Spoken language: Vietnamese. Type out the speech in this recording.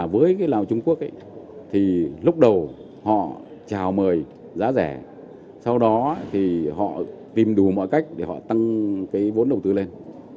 với lào trung quốc lúc đầu họ trào mời giá rẻ sau đó họ tìm đủ mọi cách để tăng vốn đầu tư lên